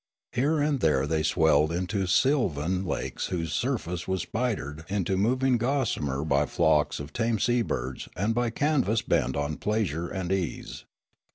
Here and there they swelled into sylvan lakes whose surface was spidered into moving gossamer by flocks of tame sea birds and by canvas bent on pleas ure and ease.